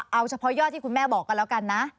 เอาเฉพาะยอดที่คุณแม่บอกกันแล้วกันนะ